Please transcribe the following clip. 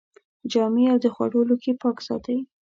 جامې او د خوړو لوښي پاک ساتئ.